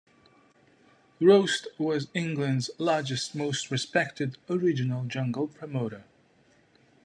Roast was England's largest most respected original jungle promoter.